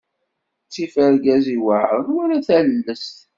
Ttif argaz iweɛṛen, wala tallest.